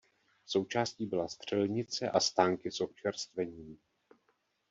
Součástí byla střelnice a stánky s občerstvením.